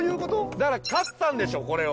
だから買ったんでしょこれを。